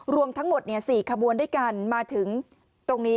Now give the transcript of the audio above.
รวมทั้งหมด๔ขบวนด้วยกันมาถึงตรงนี้